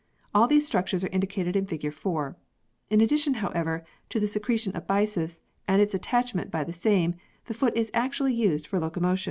All these structures are indicated in fig. 4. In addition, however, to the secretion of byssus and its attachment by the same, the foot is actually used for locomotion.